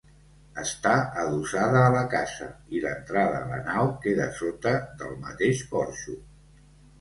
Està adossada a la casa i l'entrada a la nau queda sota del mateix porxo.